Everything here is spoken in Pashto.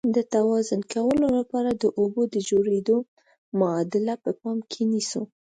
د توازن کولو لپاره د اوبو د جوړیدو معادله په پام کې نیسو.